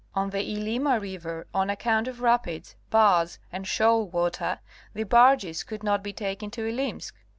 On the Ilima river, on account of rapids, bars and shoal water, the barges could not be taken to Ilimsk.